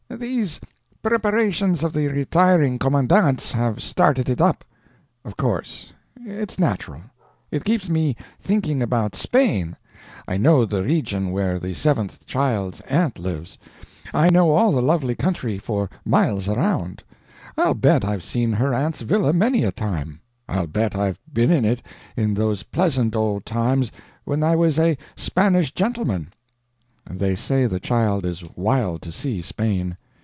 "These preparations of the retiring commandant's have started it up." "Of course. It's natural." "It keeps me thinking about Spain. I know the region where the Seventh's child's aunt lives; I know all the lovely country for miles around; I'll bet I've seen her aunt's villa many a time; I'll bet I've been in it in those pleasant old times when I was a Spanish gentleman." "They say the child is wild to see Spain."